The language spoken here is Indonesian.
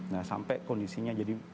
nah sampai kondisinya jadi